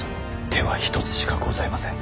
手は一つしかございません。